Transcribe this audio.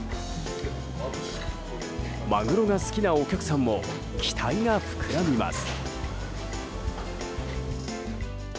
マグロが好きなお客さんも期待が膨らみます。